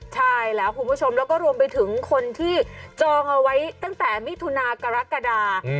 ใช่แล้วคุณผู้ชมแล้วก็รวมไปถึงคนที่จองเอาไว้ตั้งแต่มิถุนากรกฎา